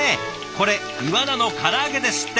これイワナのから揚げですって。